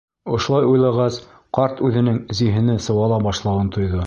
Ошолай уйлағас, ҡарт үҙенең зиһене сыуала башлауын тойҙо.